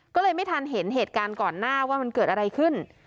ก็เลยไม่ทันเห็นเหตุการณ์ก่อนหน้าว่ามันเกิดอะไรขึ้น